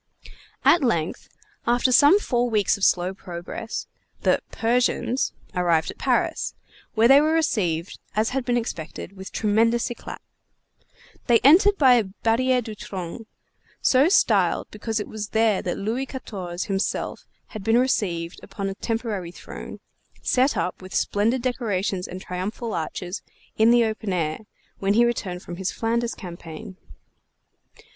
At length, after some four weeks of slow progress, the "Persians" arrived at Paris, where they were received, as had been expected, with tremendous éclat. They entered by Barriére du Trône, so styled because it was there that Louis Quatorze himself had been received upon a temporary throne, set up, with splendid decorations and triumphal arches, in the open air, when he returned from his Flanders campaign.